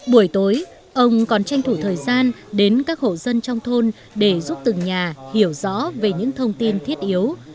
buổi tối ông còn tranh thủ thời gian đến các hộ dân trong thôn để giúp từng nhà hiểu rõ về những thông tin thiết yếu